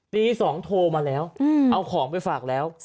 ตี๒โทรมาแล้วเอาของไปฝากแล้ว